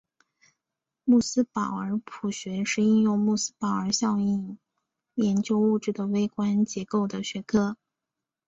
穆斯堡尔谱学是应用穆斯堡尔效应研究物质的微观结构的学科。